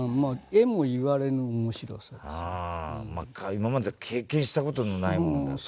今まで経験したことのないものだからね。